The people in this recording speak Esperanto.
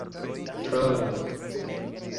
trolo